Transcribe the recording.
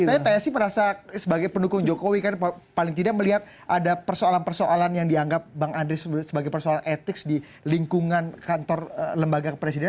tapi psi merasa sebagai pendukung jokowi kan paling tidak melihat ada persoalan persoalan yang dianggap bang andre sebagai persoalan etik di lingkungan kantor lembaga kepresidenan